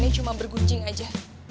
saya cuma bergunjing aja